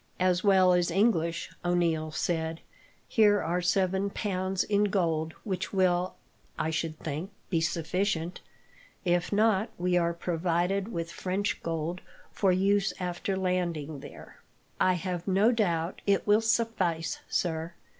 "As well as English," O'Neil said. "Here are seven pounds in gold, which will, I should think, be sufficient. If not, we are provided with French gold, for use after landing there." "I have no doubt it will suffice, sir.